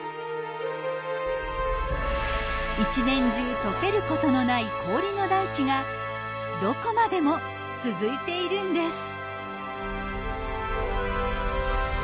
一年中とけることのない氷の大地がどこまでも続いているんです。